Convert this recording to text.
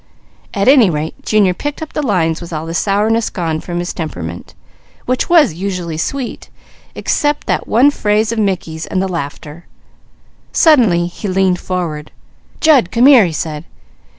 At any rate Junior picked up the lines with all the sourness gone from his temperament, which was usually sweet, except that one phrase of Mickey's, and the laughter. Suddenly he leaned forward. "Jud, come here," he said.